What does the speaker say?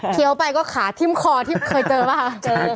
เที่ยวไปก็ขาทิ้มคอที่เคยเจอป่ะ